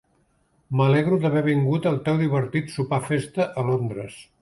M'alegro d'haver vingut al teu divertit sopar-festa a Londres.